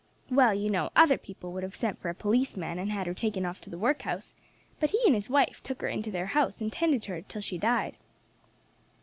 Well, you know, other people would have sent for a policeman and had her taken off to the workhouse, but he and his wife took her into their house and tended her till she died."